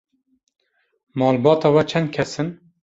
Malbata we çend kes in?